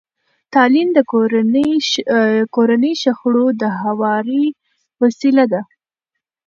تعلیم د کورني شخړو د هواري وسیله ده.